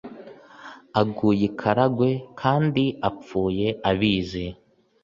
aguye ikaragwe kandi apfuye abizi